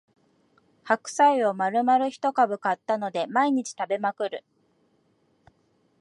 白菜をまるまる一株買ったので毎日食べまくる